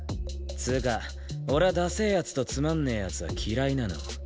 つうか俺はダセえ奴とつまんねえ奴は嫌いなの。